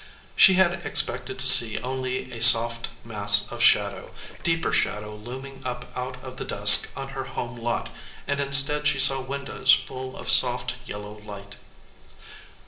She had expected to see only a soft mass of shadow, deeper shadow looming up out of the dusk on her home lot, and instead she saw windows full of soft yellow light.